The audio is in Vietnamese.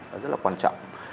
nó rất là quan trọng